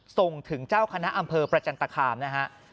ส่งถึงเจ้าคณะอำเภอประจันตคามนะฮะ